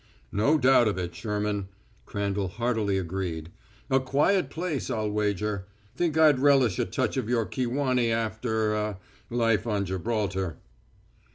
"No doubt of it, Sherman," Crandall heartily agreed. "A quiet place, I'll wager. Think I'd relish a touch of your Kewanee after ah life on Gibraltar."